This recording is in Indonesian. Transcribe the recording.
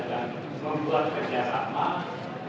kalau dia menyuap